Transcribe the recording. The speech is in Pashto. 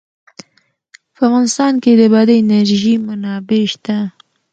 په افغانستان کې د بادي انرژي منابع شته.